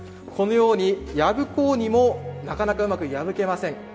このように破こうにもなかなかうまく破けません。